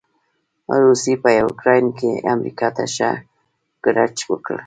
روسې په يوکراين کې امریکا ته ښه ګړچ ورکړ.